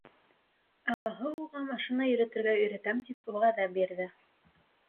Ағаһы уға машина йөрөтөргә өйрәтәм тип вәғәҙә бирҙе.